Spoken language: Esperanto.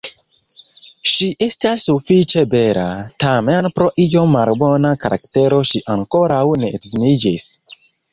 Ŝi estas sufiĉe bela, tamen pro iom malbona karaktero ŝi ankoraŭ ne edziniĝis.